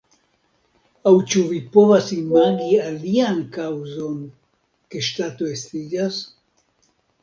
Aŭ ĉu vi povas imagi alian kaŭzon ke ŝtato estiĝas?